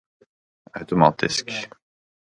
automatisk